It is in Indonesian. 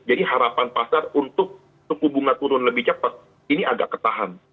jadi harapan pasar untuk suku bunga turun lebih cepat ini agak ketahan